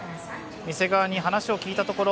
店側に話を聞いたところ